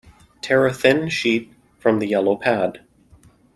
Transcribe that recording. Tear a thin sheet from the yellow pad.